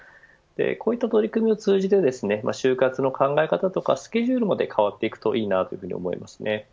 こういった取り組みを通じて就活の考え方とかスケジュールまで変わっていくといいなと思います。